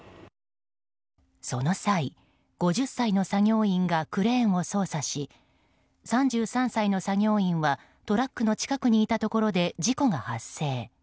その際、５０歳の作業員がクレーンを操作し３３歳の作業員はトラックの近くにいたところで事故が発生。